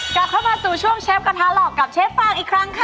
กลับเข้ามาสู่ช่วงเชฟกระทะหลอกกับเชฟฟางอีกครั้งค่ะ